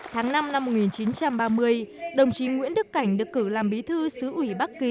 tháng năm năm một nghìn chín trăm ba mươi đồng chí nguyễn đức cảnh được cử làm bí thư xứ ủy bắc kỳ